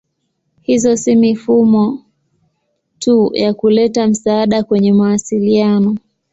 Hizo si mifumo tu ya kuleta msaada kwenye mawasiliano.